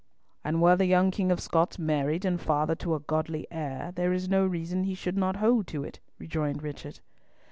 "And were the young King of Scots married and father to a goodly heir, there is no reason he should not hold to it," rejoined Richard.